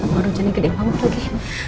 baru jadi gede banget lagi